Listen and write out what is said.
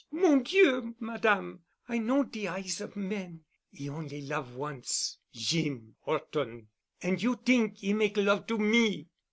Mon Dieu, Madame. I know de eyes of men. 'E on'y love once, Jeem 'Orton—an' you t'ink 'e make love to me.